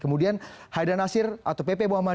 kemudian haidar nasir atau pp muhammadi